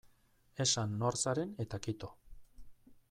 Esan nor zaren eta kito.